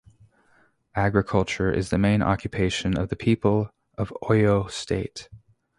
Agriculture is the main occupation of the people of Oyo State.